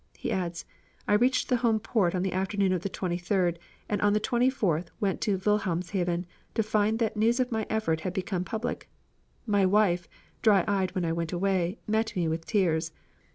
He adds: "I reached the home port on the afternoon of the 23d and on the 24th went to Wilhelmshaven to find that news of my effort had become public. My wife, dry eyed when I went away, met me with tears.